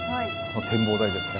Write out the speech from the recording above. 展望台ですね。